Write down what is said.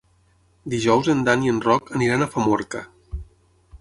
Dijous en Dan i en Roc aniran a Famorca.